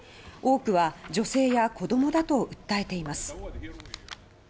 多くは女性や子どもだと訴えています。